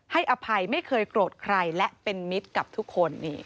อภัยไม่เคยโกรธใครและเป็นมิตรกับทุกคน